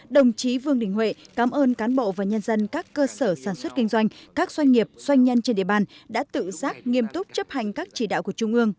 đồng chí vương đình huệ cảm ơn cán bộ và nhân dân các cơ sở sản xuất kinh doanh các doanh nghiệp doanh nhân trên địa bàn đã tự giác nghiêm túc chấp hành các chỉ đạo của trung ương